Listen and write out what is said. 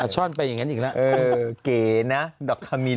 ช่อนเป็นอย่างนั้นอีกแล้วเออเก๋นะดอกคามิเนียน